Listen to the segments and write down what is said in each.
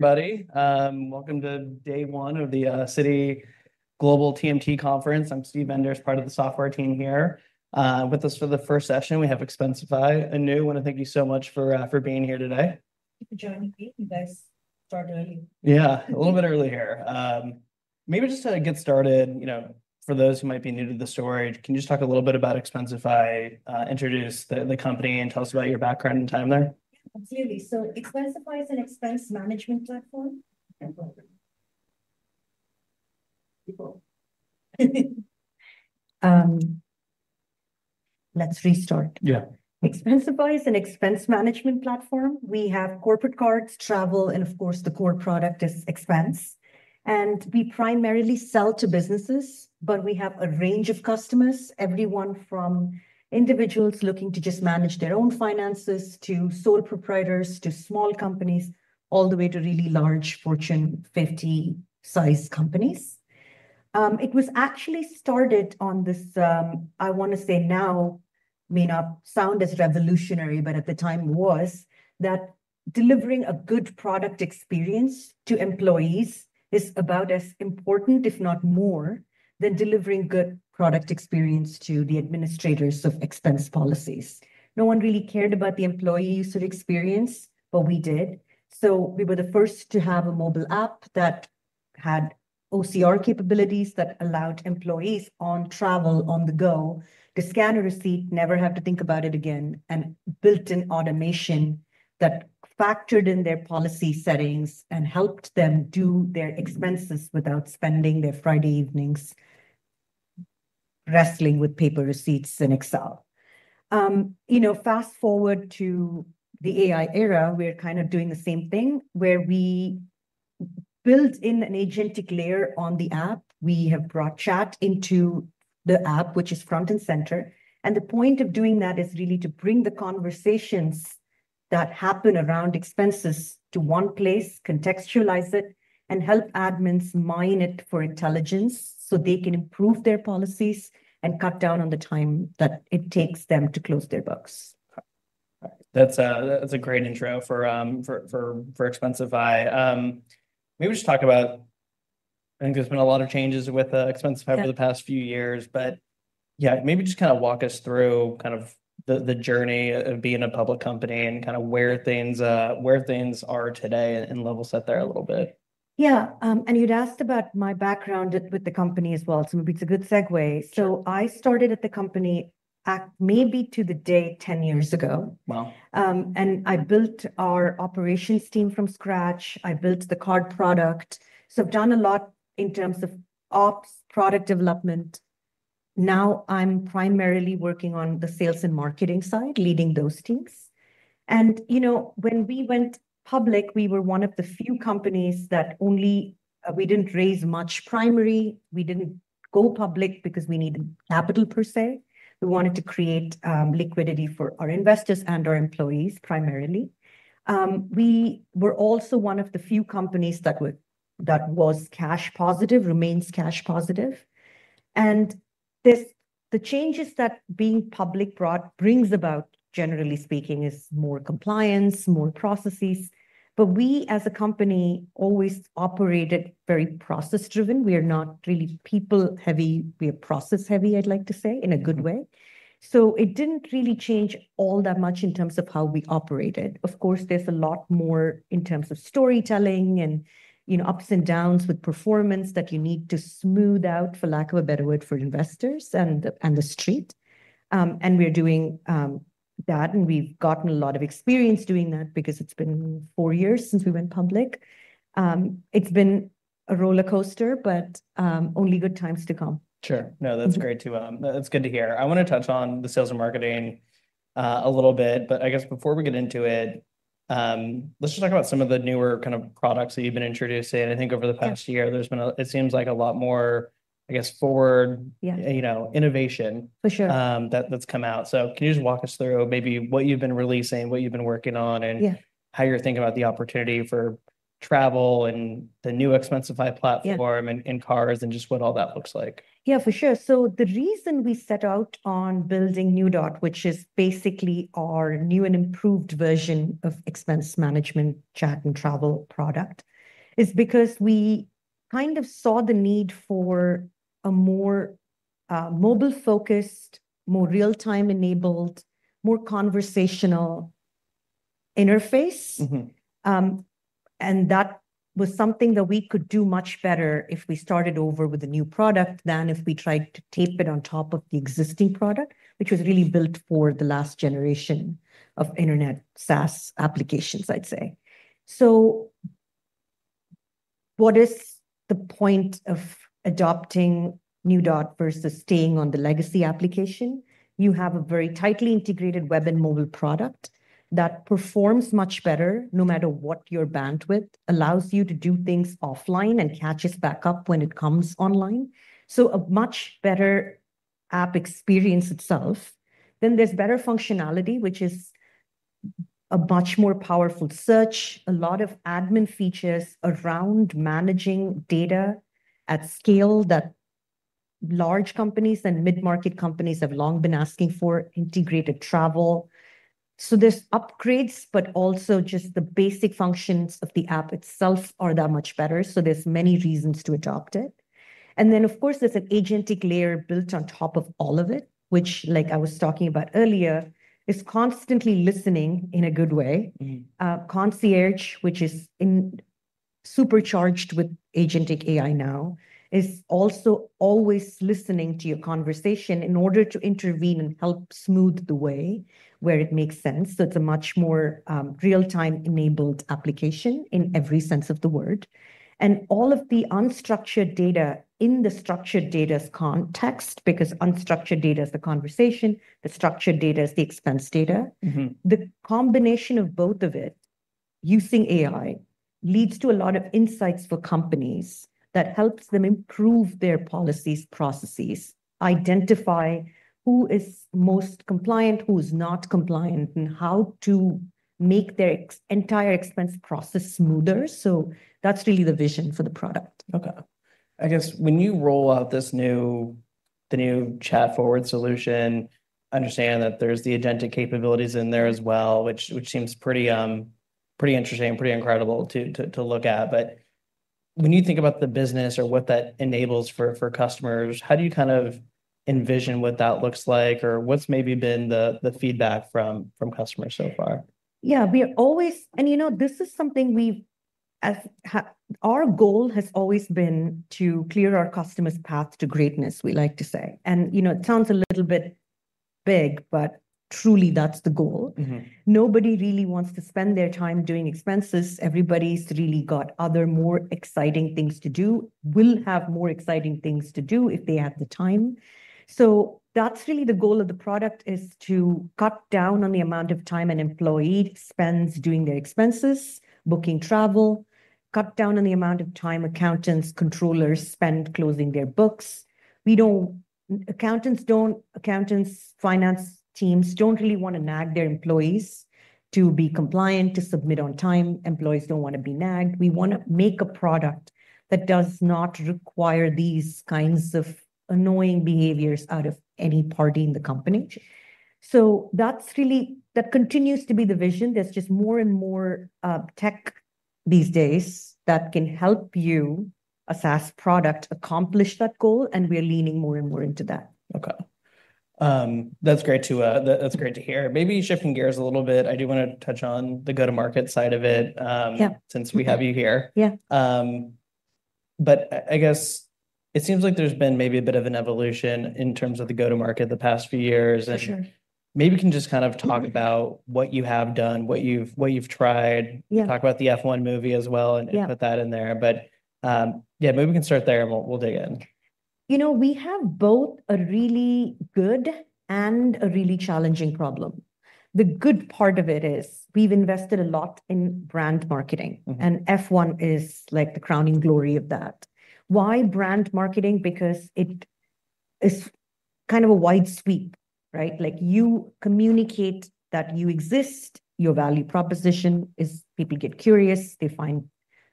Everybody, welcome to day one of the Citi Global TMT Conference. I'm Steve Enders, part of the software team here. With us for the first session, we have Expensify. Anu, I want to thank you so much for being here today. Thank you for joining me. You guys started early. Yeah, a little bit early here. Maybe just to get started, you know, for those who might be new to the story, can you just talk a little bit about Expensify, introduce the company, and tell us about your background and time there? Absolutely. Expensify is an expense management platform. Let's restore. Yeah. Expensify is an expense management platform. We have corporate cards, travel, and of course the core product is expense. We primarily sell to businesses, but we have a range of customers, everyone from individuals looking to just manage their own finances to sole proprietors to small companies, all the way to really large Fortune 50 size companies. It was actually started on this, I want to say now may not sound as revolutionary, but at the time was that delivering a good product experience to employees is about as important, if not more, than delivering good product experience to the administrators of expense policies. No one really cared about the employee's experience, but we did. We were the first to have a mobile app that had OCR capabilities that allowed employees on travel, on the go, to scan a receipt, never have to think about it again, and built in automation that factored in their policy settings and helped them do their expenses without spending their Friday evenings wrestling with paper receipts in Excel. Fast forward to the AI era, we're kind of doing the same thing where we built in an agentic layer on the app. We have brought chat into the app, which is front and center. The point of doing that is really to bring the conversations that happen around expenses to one place, contextualize it, and help admins mine it for intelligence so they can improve their policies and cut down on the time that it takes them to close their books. That's a great intro for Expensify. Maybe just talk about, I think there's been a lot of changes with Expensify over the past few years, but yeah, maybe just kind of walk us through the journey of being a public company and where things are today and level set there a little bit. Yeah, you asked about my background with the company as well, so maybe it's a good segue. I started at the company maybe to the day 10 years ago. Wow. I built our operations team from scratch. I built the card product. I've done a lot in terms of ops, product development. Now I'm primarily working on the sales and marketing side, leading those teams. When we went public, we were one of the few companies that only, we didn't raise much primary. We didn't go public because we needed capital per se. We wanted to create liquidity for our investors and our employees primarily. We were also one of the few companies that was cash positive, remains cash positive. The changes that being public brings about, generally speaking, is more compliance, more processes. We, as a company, always operated very process-driven. We are not really people-heavy. We are process-heavy, I'd like to say, in a good way. It didn't really change all that much in terms of how we operated. Of course, there's a lot more in terms of storytelling and ups and downs with performance that you need to smooth out, for lack of a better word, for investors and the street. We're doing that, and we've gotten a lot of experience doing that because it's been four years since we went public. It's been a roller coaster, but only good times to come. Sure. No, that's great too. That's good to hear. I want to touch on the sales and marketing a little bit, but I guess before we get into it, let's just talk about some of the newer kind of products that you've been introducing. I think over the past year, there's been, it seems like, a lot more, I guess, forward, you know, innovation. For sure. Can you just walk us through maybe what you've been releasing, what you've been working on, and how you're thinking about the opportunity for travel and the New Expensify platform and in cards and just what all that looks like? Yeah, for sure. The reason we set out on building NewDot, which is basically our new and improved version of expense management, chat, and travel product, is because we kind of saw the need for a more mobile-focused, more real-time enabled, more conversational interface. That was something that we could do much better if we started over with a new product than if we tried to tape it on top of the existing product, which was really built for the last generation of internet SaaS applications, I'd say. What is the point of adopting NewDot versus staying on the legacy application? You have a very tightly integrated web and mobile product that performs much better no matter what your bandwidth, allows you to do things offline, and catches back up when it comes online. It's a much better app experience itself. Then there's better functionality, which is a much more powerful search, a lot of admin features around managing data at scale that large companies and mid-market companies have long been asking for, integrated travel. There are upgrades, but also just the basic functions of the app itself are that much better. There are many reasons to adopt it. Of course, there's an agentic layer built on top of all of it, which, like I was talking about earlier, is constantly listening in a good way. Concierge, which is supercharged with agentic AI now, is also always listening to your conversation in order to intervene and help smooth the way where it makes sense. It's a much more real-time enabled application in every sense of the word. All of the unstructured data in the structured data's context, because unstructured data is the conversation, the structured data is the expense data. The combination of both of it, using AI, leads to a lot of insights for companies that help them improve their policies, processes, identify who is most compliant, who is not compliant, and how to make their entire expense process smoother. That's really the vision for the product. Okay. I guess when you roll out this new, the new chat forward solution, I understand that there's the agentic capabilities in there as well, which seems pretty interesting, pretty incredible to look at. When you think about the business or what that enables for customers, how do you kind of envision what that looks like or what's maybe been the feedback from customers so far? Yeah, we're always, you know, this is something we've, our goal has always been to clear our customers' path to greatness, we like to say. It sounds a little bit big, but truly that's the goal. Nobody really wants to spend their time doing expenses. Everybody's really got other more exciting things to do, will have more exciting things to do if they have the time. That's really the goal of the product, to cut down on the amount of time an employee spends doing their expenses, booking travel, cut down on the amount of time accountants, controllers spend closing their books. We know accountants, finance teams don't really want to nag their employees to be compliant, to submit on time. Employees don't want to be nagged. We want to make a product that does not require these kinds of annoying behaviors out of any party in the company. That continues to be the vision. There's just more and more tech these days that can help you, a SaaS product, accomplish that goal, and we're leaning more and more into that. Okay, that's great to hear. Maybe shifting gears a little bit, I do want to touch on the go-to-market side of it, since we have you here. Yeah. I guess it seems like there's been maybe a bit of an evolution in terms of the go-to-market the past few years. For sure. Maybe you can just kind of talk about what you have done, what you've tried. Yeah. Talk about the F1 movie as well and put that in there. Maybe we can start there and we'll dig in. You know, we have both a really good and a really challenging problem. The good part of it is we've invested a lot in brand marketing, and F1 is like the crowning glory of that. Why brand marketing? Because it is kind of a wide sweep, right? Like you communicate that you exist, your value proposition is, people get curious, they find,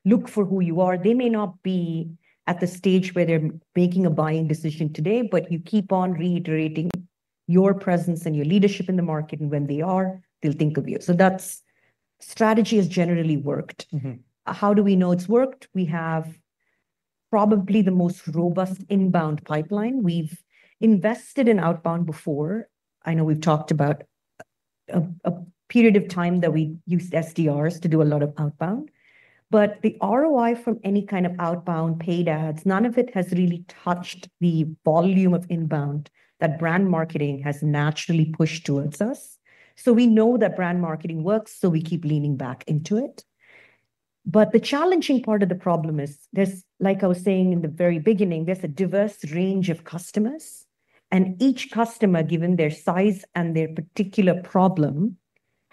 look for who you are. They may not be at the stage where they're making a buying decision today, but you keep on reiterating your presence and your leadership in the market, and when they are, they'll think of you. That strategy has generally worked. How do we know it's worked? We have probably the most robust inbound pipeline. We've invested in outbound before. I know we've talked about a period of time that we used SDRs to do a lot of outbound. The ROI from any kind of outbound paid ads, none of it has really touched the volume of inbound that brand marketing has naturally pushed towards us. We know that brand marketing works, so we keep leaning back into it. The challenging part of the problem is, like I was saying in the very beginning, there's a diverse range of customers, and each customer, given their size and their particular problem,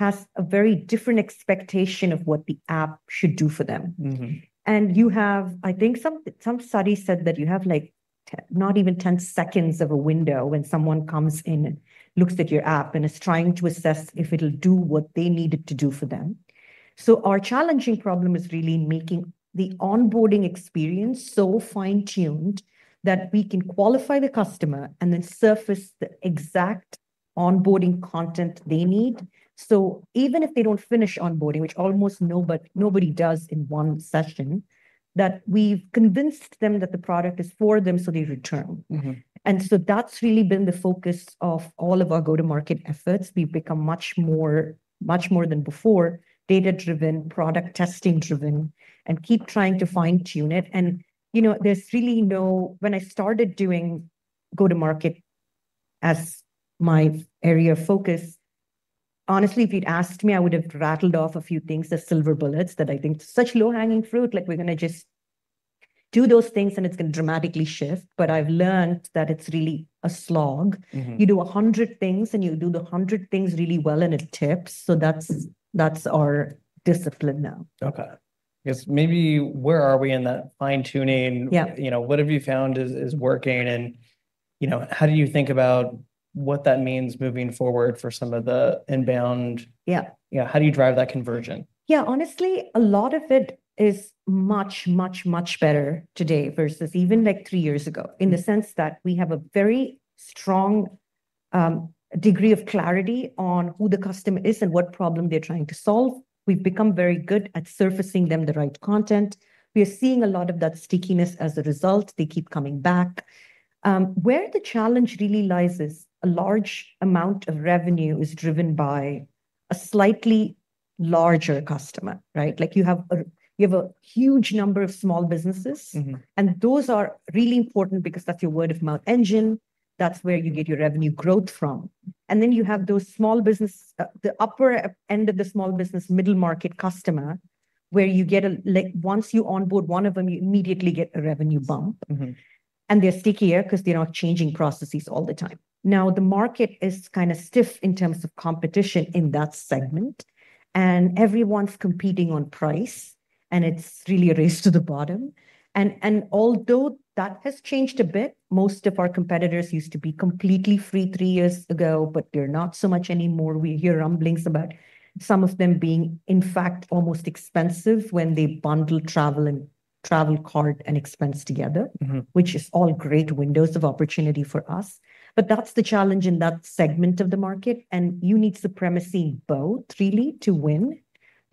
has a very different expectation of what the app should do for them. I think some studies said that you have like not even 10 seconds of a window when someone comes in and looks at your app and is trying to assess if it'll do what they need it to do for them. Our challenging problem is really making the onboarding experience so fine-tuned that we can qualify the customer and then surface the exact onboarding content they need. Even if they don't finish onboarding, which almost nobody does in one session, we've convinced them that the product is for them, so they return. That's really been the focus of all of our go-to-market efforts. We've become much more, much more than before, data-driven, product testing-driven, and keep trying to fine-tune it. There's really no, when I started doing go-to-market as my area of focus, honestly, if you'd asked me, I would have rattled off a few things as silver bullets that I think such low-hanging fruit, like we're going to just do those things and it's going to dramatically shift. I've learned that it's really a slog. You do a hundred things and you do the hundred things really well and it tips. That's our discipline now. Okay. I guess maybe where are we in that fine-tuning? What have you found is working, and how do you think about what that means moving forward for some of the inbound? Yeah. Yeah, how do you drive that conversion? Yeah, honestly, a lot of it is much, much, much better today versus even like three years ago, in the sense that we have a very strong degree of clarity on who the customer is and what problem they're trying to solve. We've become very good at surfacing them the right content. We are seeing a lot of that stickiness as a result. They keep coming back. Where the challenge really lies is a large amount of revenue is driven by a slightly larger customer, right? You have a huge number of small businesses, and those are really important because that's your word-of-mouth engine. That's where you get your revenue growth from. Then you have those small business, the upper end of the small business, middle market customer, where you get a, like once you onboard one of them, you immediately get a revenue bump. They're stickier because they're not changing processes all the time. Now the market is kind of stiff in terms of competition in that segment. Everyone's competing on price. It's really a race to the bottom. Although that has changed a bit, most of our competitors used to be completely free three years ago, but they're not so much anymore. We hear rumblings about some of them being, in fact, almost expensive when they bundle travel and travel card and expense together, which is all great windows of opportunity for us. That's the challenge in that segment of the market. You need supremacy in both, really, to win.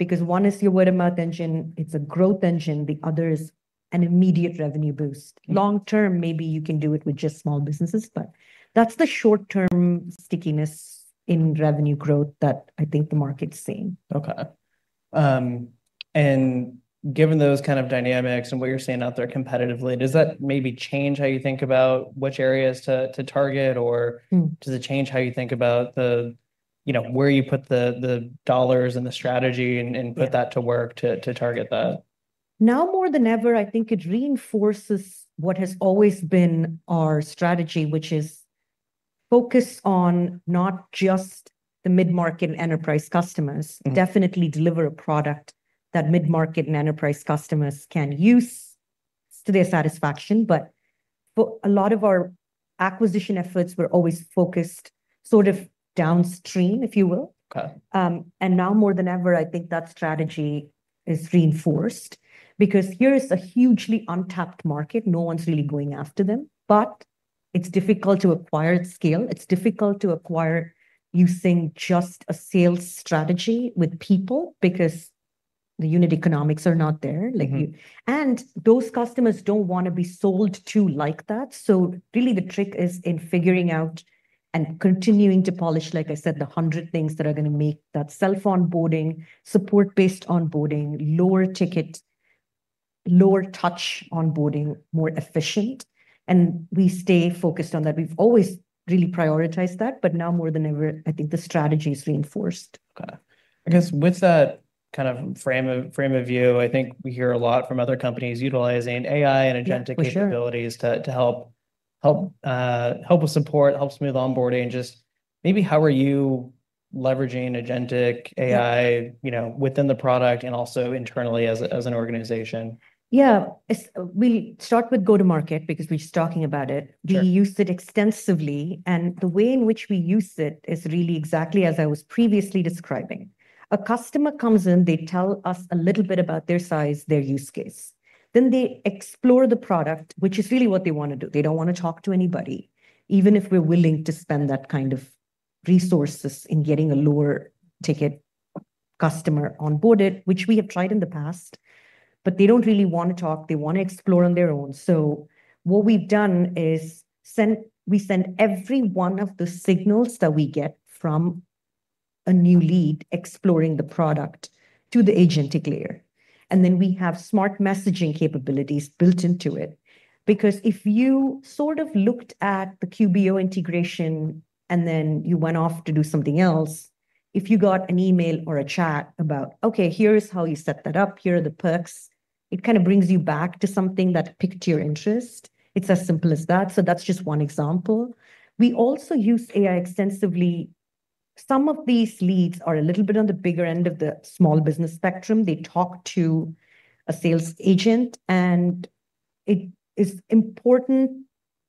One is your word-of-mouth engine. It's a growth engine. The other is an immediate revenue boost. Long- term, maybe you can do it with just small businesses, but that's the short-term stickiness in revenue growth that I think the market's seeing. Okay, and given those kind of dynamics and what you're seeing out there competitively, does that maybe change how you think about which areas to target? Does it change how you think about where you put the dollars and the strategy and put that to work to target that? Now more than ever, I think it reinforces what has always been our strategy, which is focused on not just the mid-market and enterprise customers. Definitely deliver a product that mid-market and enterprise customers can use to their satisfaction. For a lot of our acquisition efforts, we're always focused sort of downstream, if you will. Okay. Now more than ever, I think that strategy is reinforced because here's a hugely untapped market. No one's really going after them, but it's difficult to acquire at scale. It's difficult to acquire using just a sales strategy with people because the unit economics are not there, and those customers don't want to be sold to like that. The trick is in figuring out and continuing to polish, like I said, the hundred things that are going to make that self-onboarding, support-based onboarding, lower ticket, lower touch onboarding more efficient. We stay focused on that. We've always really prioritized that, but now more than ever, I think the strategy is reinforced. Okay. I guess with that kind of frame of view, I think we hear a lot from other companies utilizing AI and agentic capabilities to help with support, help smooth onboarding. Just maybe how are you leveraging agentic AI, you know, within the product and also internally as an organization? Yeah, we start with go-to-market because we're just talking about it. We use it extensively. The way in which we use it is really exactly as I was previously describing. A customer comes in, they tell us a little bit about their size, their use case. Then they explore the product, which is really what they want to do. They don't want to talk to anybody, even if we're willing to spend that kind of resources in getting a lower ticket customer onboarded, which we have tried in the past. They don't really want to talk. They want to explore on their own. What we've done is send, we send every one of the signals that we get from a new lead exploring the product to the agentic layer. We have smart messaging capabilities built into it. If you sort of looked at the QBO integration and then you went off to do something else, if you got an email or a chat about, okay, here is how you set that up. Here are the perks. It kind of brings you back to something that picked your interest. It's as simple as that. That's just one example. We also use AI extensively. Some of these leads are a little bit on the bigger end of the small business spectrum. They talk to a sales agent and it is important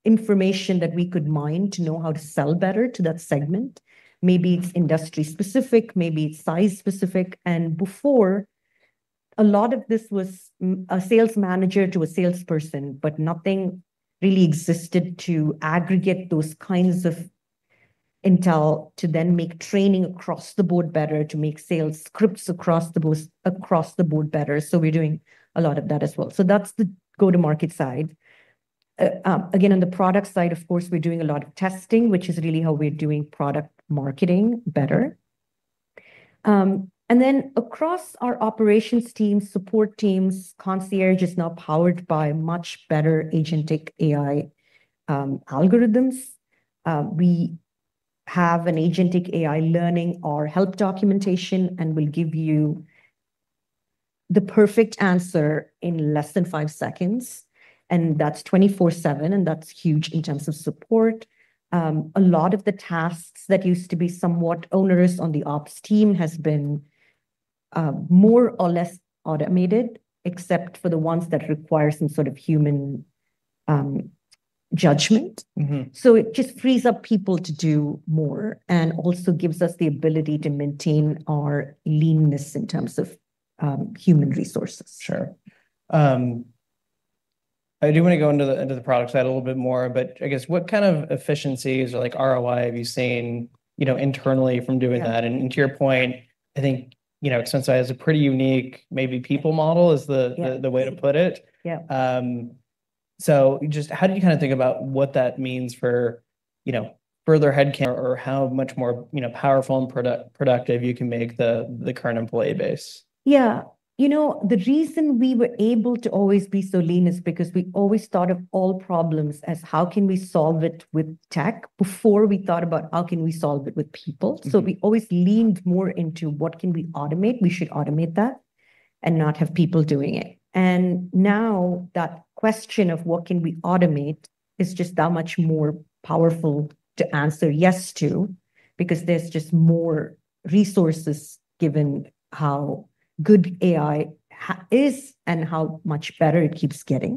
information that we could mine to know how to sell better to that segment. Maybe it's industry- specific, maybe it's size- specific. Before, a lot of this was a sales manager to a salesperson, but nothing really existed to aggregate those kinds of intel to then make training across the Board better, to make sales scripts across the Board better. We're doing a lot of that as well. That's the go-to-market side. Again, on the product side, of course, we're doing a lot of testing, which is really how we're doing product marketing better. Across our operations teams, support teams, Concierge is now powered by much better agentic AI algorithms. We have an agentic AI learning or help documentation and will give you the perfect answer in less than five seconds. That's 24/7. That's huge in terms of support. A lot of the tasks that used to be somewhat onerous on the ops team have been more or less automated, except for the ones that require some sort of human judgment. It just frees up people to do more and also gives us the ability to maintain our leanness in terms of human resources. Sure. I do want to go into the product side a little bit more, but I guess what kind of efficiencies or ROI have you seen internally from doing that? To your point, I think Expensify has a pretty unique, maybe people model is the way to put it. Yeah. How do you kind of think about what that means for, you know, further headcount or how much more, you know, powerful and productive you can make the current employee base? Yeah, you know, the reason we were able to always be so lean is because we always thought of all problems as how can we solve it with tech before we thought about how can we solve it with people. We always leaned more into what can we automate? We should automate that and not have people doing it. Now that question of what can we automate is just that much more powerful to answer yes to because there's just more resources given how good AI is and how much better it keeps getting.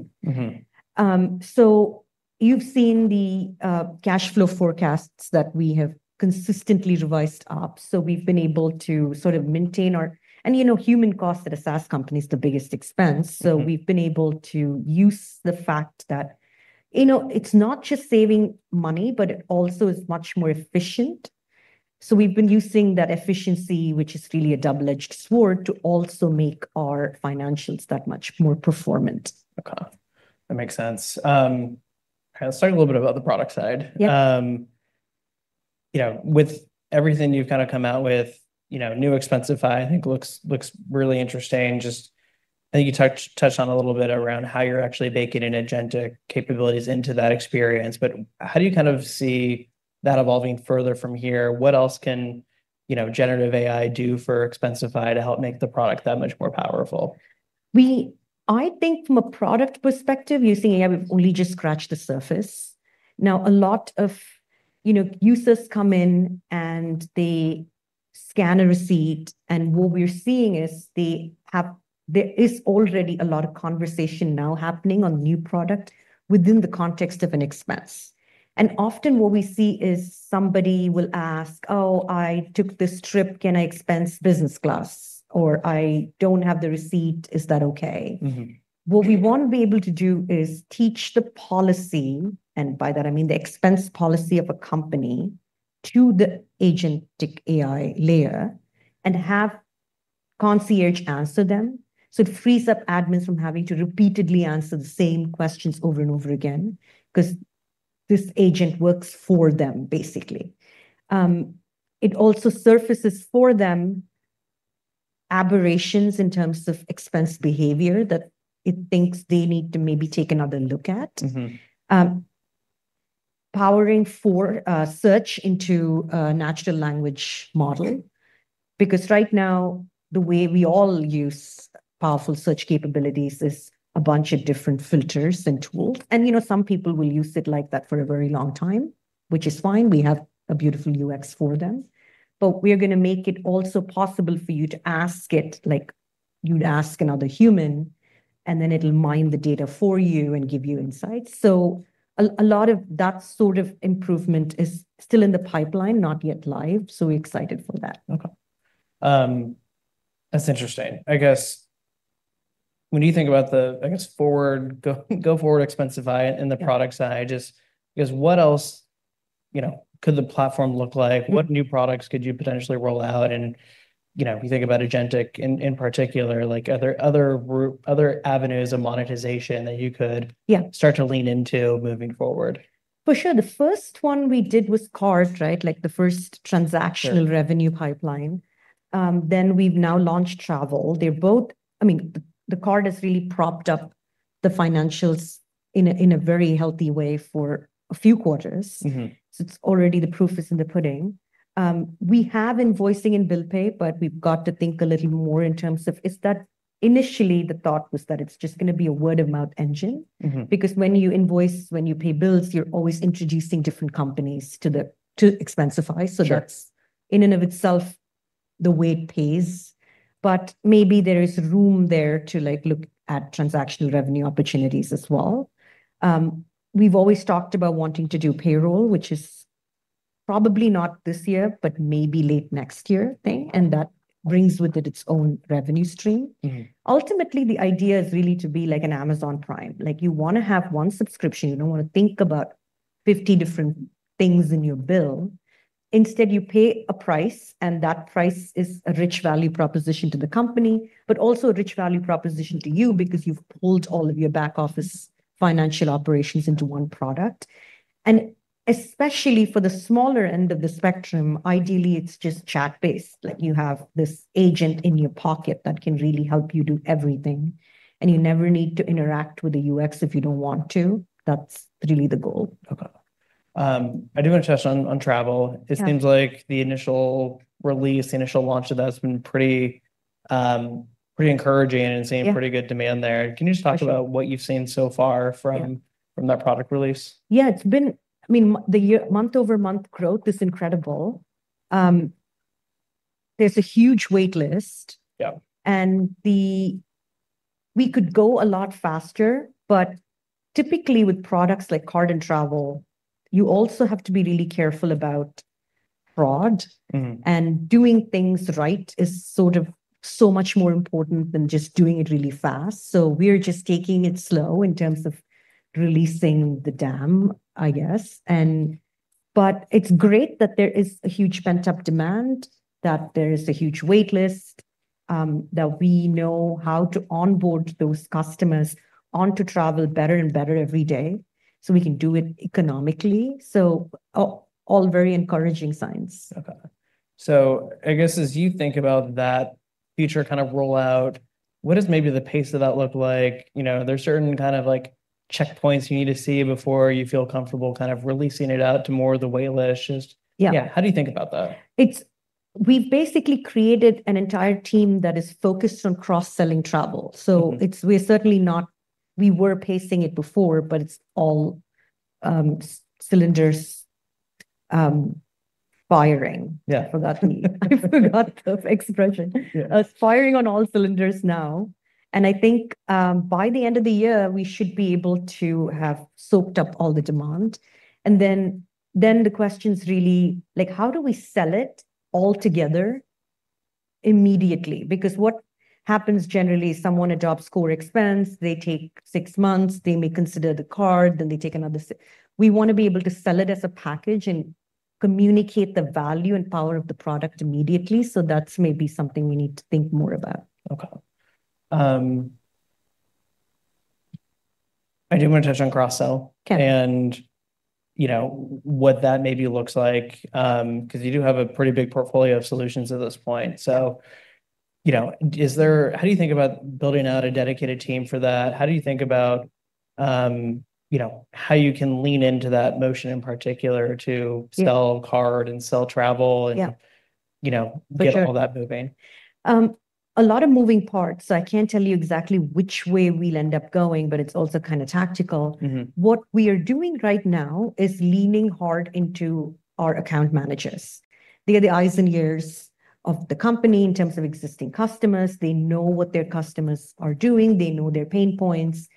You've seen the cash flow forecasts that we have consistently revised up. We've been able to sort of maintain our, and you know, human costs at a SaaS company is the biggest expense. We've been able to use the fact that, you know, it's not just saving money, but it also is much more efficient. We've been using that efficiency, which is really a double-edged sword, to also make our financials that much more performant. Okay. That makes sense. Okay, let's talk a little bit about the product side. Yeah. With everything you've kind of come out with, New Expensify, I think looks really interesting. I think you touched on a little bit around how you're actually baking in agentic capabilities into that experience, but how do you kind of see that evolving further from here? What else can generative AI do for Expensify to help make the product that much more powerful? We, I think from a product perspective, using AI, we've only just scratched the surface. Now a lot of users come in and they scan a receipt, and what we're seeing is there is already a lot of conversation now happening on new product within the context of an expense. Often what we see is somebody will ask, oh, I took this trip, can I expense business class? Or I don't have the receipt, is that okay? What we want to be able to do is teach the policy, and by that I mean the expense policy of a company, to the agentic AI layer and have Concierge answer them. It frees up admins from having to repeatedly answer the same questions over and over again because this agent works for them, basically. It also surfaces for them aberrations in terms of expense behavior that it thinks they need to maybe take another look at, powering for a search into a natural language model. Right now, the way we all use powerful search capabilities is a bunch of different filters and tools. Some people will use it like that for a very long time, which is fine. We have a beautiful UX for them. We are going to make it also possible for you to ask it like you'd ask another human, and then it'll mine the data for you and give you insights. A lot of that sort of improvement is still in the pipeline, not yet live. We're excited for that. Okay, that's interesting. I guess when you think about the go forward Expensify in the product side, just because what else could the platform look like? What new products could you potentially roll out? If you think about agentic in particular, are there other avenues of monetization that you could start to lean into moving forward? For sure. The first one we did was cars, right? Like the first transactional revenue pipeline. Then we've now launched travel. They're both, I mean, the car has really propped up the financials in a very healthy way for a few quarters. It's already the proof is in the pudding. We have invoicing and bill pay, but we've got to think a little more in terms of is that initially the thought was that it's just going to be a word-of-mouth engine. Because when you invoice, when you pay bills, you're always introducing different companies to Expensify. That's in and of itself the way it pays. Maybe there is room there to look at transactional revenue opportunities as well. We've always talked about wanting to do payroll, which is probably not this year, but maybe late next year, thing. That brings with it its own revenue stream. Ultimately, the idea is really to be like an Amazon Prime. You want to have one subscription. You don't want to think about 50 different things in your bill. Instead, you pay a price and that price is a rich value proposition to the company, but also a rich value proposition to you because you've pulled all of your back office financial operations into one product. Especially for the smaller end of the spectrum, ideally it's just chat-based. You have this agent in your pocket that can really help you do everything. You never need to interact with the UX if you don't want to. That's really the goal. Okay. I do want to touch on travel. It seems like the initial release, the initial launch of that has been pretty encouraging and seeing pretty good demand there. Can you just talk about what you've seen so far from that product release? Yeah, it's been, I mean, the year-over-year month-over-month growth is incredible. There's a huge waitlist. Yeah. We could go a lot faster, but typically with products like card and travel, you also have to be really careful about fraud. Doing things right is so much more important than just doing it really fast. We're just taking it slow in terms of releasing the dam, I guess. It's great that there is a huge pent-up demand, that there is a huge wait list, that we know how to onboard those customers onto travel better and better every day. We can do it economically. All very encouraging signs. Okay. As you think about that future kind of rollout, what does the pace of that look like? You know, are there certain kind of checkpoints you need to see before you feel comfortable releasing it out to more of the wait list? Yeah. Yeah, how do you think about that? We've basically created an entire team that is focused on cross-selling travel. We're certainly not, we were pacing it before, but it's all cylinders firing. Yeah. I forgot the expression. It's firing on all cylinders now. I think by the end of the year, we should be able to have soaked up all the demand. The question is really like, how do we sell it all together immediately? What happens generally is someone adopts core expense, they take six months, they may consider the card, then they take another. We want to be able to sell it as a package and communicate the value and power of the product immediately. That's maybe something we need to think more about. Okay, I do want to touch on cross-sell. Okay. You know what that maybe looks like, because you do have a pretty big portfolio of solutions at this point. Is there, how do you think about building out a dedicated team for that? How do you think about how you can lean into that motion in particular to sell card and sell travel and get all that moving? A lot of moving parts. I can't tell you exactly which way we'll end up going, but it's also kind of tactical. What we are doing right now is leaning hard into our account managers. They're the eyes and ears of the company in terms of existing customers. They know what their customers are doing. They know their pain points.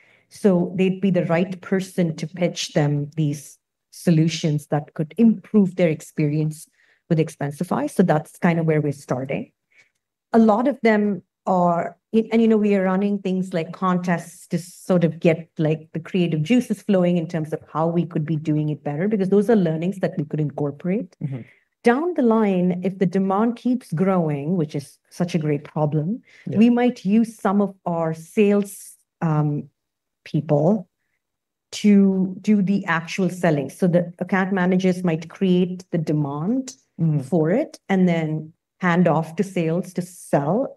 They'd be the right person to pitch them these solutions that could improve their experience with Expensify. That's kind of where we're starting. A lot of them are, and we are running things like contests to get the creative juices flowing in terms of how we could be doing it better because those are learnings that we could incorporate. Down the line, if the demand keeps growing, which is such a great problem, we might use some of our sales people to do the actual selling. The account managers might create the demand for it and then hand off to sales to sell.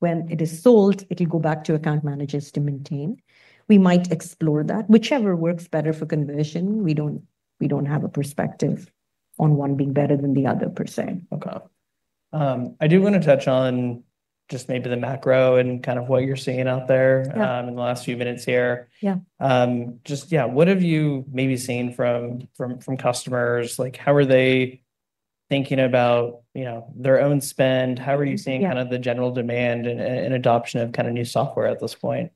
When it is sold, it'll go back to account managers to maintain. We might explore that, whichever works better for conversion. We don't have a perspective on one being better than the other per se. Okay. I do want to touch on just maybe the macro and kind of what you're seeing out there in the last few minutes here. Yeah. What have you maybe seen from customers? How are they thinking about their own spend? How are you seeing the general demand and adoption of new software at this point?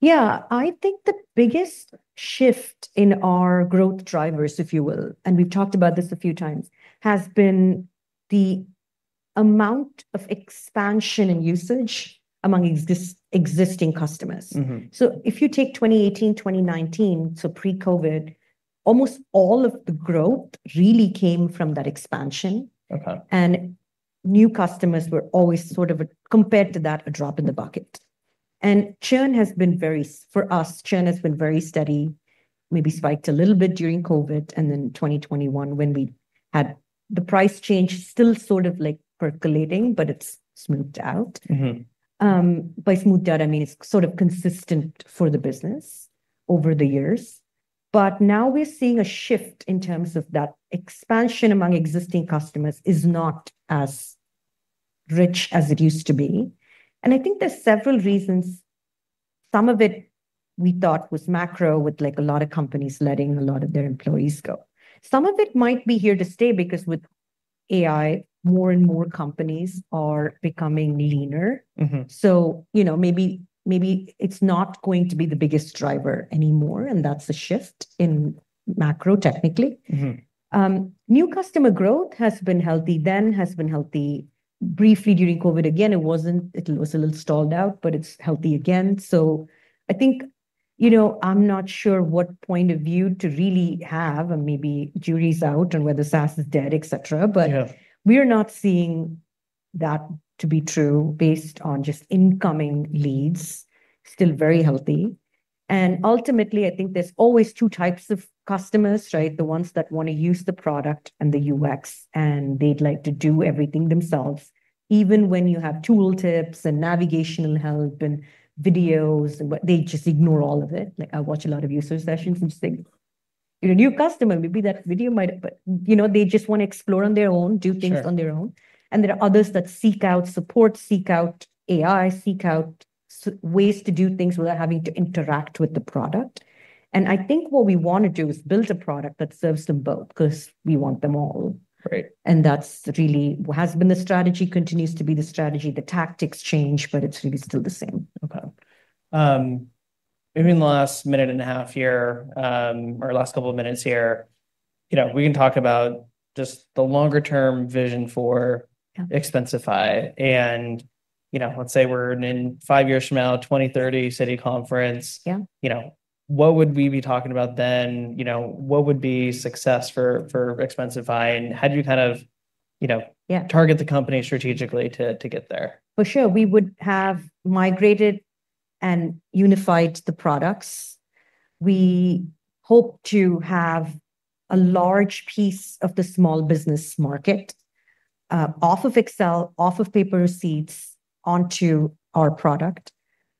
Yeah, I think the biggest shift in our growth drivers, if you will, and we've talked about this a few times, has been the amount of expansion in usage among existing customers. If you take 2018, 2019, so pre-COVID, almost all of the growth really came from that expansion. Okay. New customers were always sort of compared to that, a drop in the bucket. Churn has been very steady for us, maybe spiked a little bit during COVID and then in 2021 when we had the price change. It's still sort of percolating, but it's smoothed out. By smoothed out, I mean it's sort of consistent for the business over the years. Now we're seeing a shift in terms of that expansion among existing customers is not as rich as it used to be. I think there's several reasons. Some of it we thought was macro, with a lot of companies letting a lot of their employees go. Some of it might be here to stay because with AI, more and more companies are becoming leaner. Maybe it's not going to be the biggest driver anymore, and that's a shift in macro technically. New customer growth has been healthy, then was healthy briefly during COVID. It was a little stalled out, but it's healthy again. I think, I'm not sure what point of view to really have, and maybe jury's out on whether SaaS is dead, etc. We're not seeing that to be true based on just incoming leads, still very healthy. Ultimately, I think there's always two types of customers, right? The ones that want to use the product and the UX, and they'd like to do everything themselves. Even when you have tooltips and navigational help and videos, they just ignore all of it. I watch a lot of user sessions and just say, you're a new customer, maybe that video might, but they just want to explore on their own, do things on their own. There are others that seek out support, seek out AI, seek out ways to do things without having to interact with the product. I think what we want to do is build a product that serves them both because we want them all. Right. That is really what has been the strategy and continues to be the strategy. The tactics change, but it's really still the same. Okay, maybe in the last minute and a half here, or last couple of minutes here, you know, we can talk about just the longer term vision for Expensify. You know, let's say we're in five years from now, 2030 Citi Conference. Yeah. What would we be talking about then? What would be success for Expensify, and how do you kind of target the company strategically to get there? For sure, we would have migrated and unified the products. We hope to have a large piece of the small business market, off of Excel, off of paper receipts onto our product,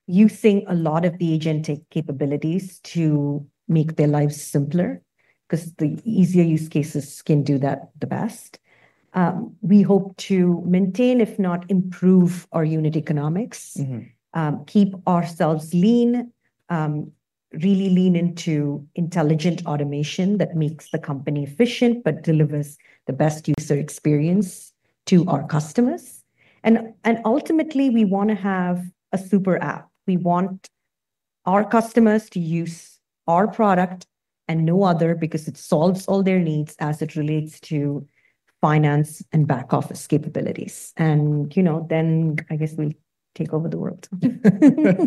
using a lot of the agentic capabilities to make their lives simpler because the easier use cases can do that the best. We hope to maintain, if not improve, our unit economics. Keep ourselves lean, really lean into intelligent automation that makes the company efficient but delivers the best user experience to our customers. Ultimately, we want to have a super app. We want our customers to use our product and no other because it solves all their needs as it relates to finance and back office capabilities. You know, then I guess we'll take over the world.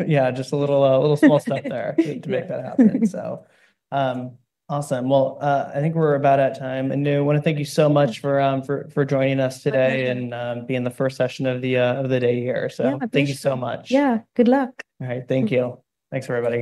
Yeah, just a little small step there to make that happen. Awesome. I think we're about at time. I want to thank you so much for joining us today and being the first session of the day here. Thank you so much. Yeah, good luck. All right, thank you. Thanks for everybody.